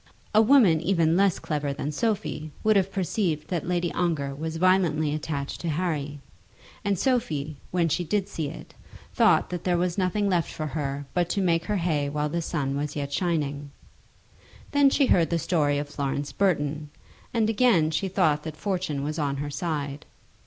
A woman even less clever than Sophie would have perceived that Lady Ongar was violently attached to Harry; and Sophie, when she did see it, thought that there was nothing left for her but to make her hay while the sun was yet shining. Then she heard the story of Florence Burton; and again she thought that Fortune was on her side.